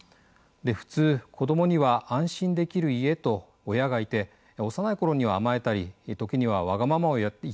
普通子どもには安心できる家と親がいて幼い頃には甘えたり時にはわがままを言ったりしますよね。